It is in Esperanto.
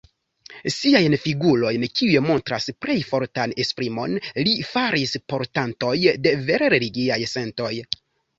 Siajn figurojn, kiuj montras plej fortan esprimon, li faris portantoj de vere religiaj sentoj.